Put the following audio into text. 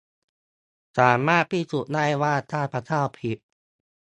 สามารถพิสูจน์ได้ว่า ข้าพเจ้าผิด